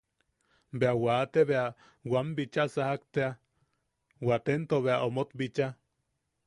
Bea wate, bea wan bicha sajak tea, watento bea omot bicha.